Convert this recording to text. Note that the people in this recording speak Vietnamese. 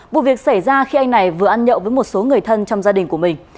vụ việc xảy ra khi anh này vừa ăn nhậu với một số người thân trong gia đình của mình